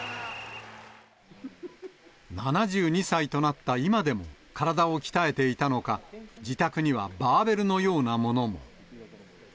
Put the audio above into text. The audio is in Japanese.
７２歳となった今でも体を鍛えていたのか、自宅にはバーベルのようなものも。